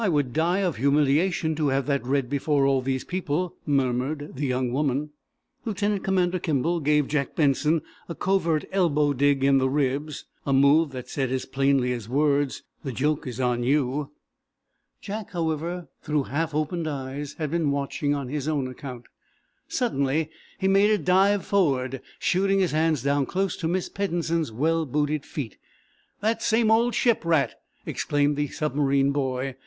"I would die of humiliation, to have that read before all these people," murmured the young woman. Lieutenant Commander Kimball gave Jack Benson a covert elbow dig in the ribs, a move said, as plainly as words: "The joke is on you." Jack, however, through half open eyes, had been watching on his own account. Suddenly he made a dive forward, shooting his hands down close to Miss Peddensen's well booted feet. "That same old ship rat!" exclaimed the submarine boy.